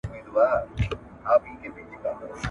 سازمانونه څنګه نړیوال قانون عملي کوي؟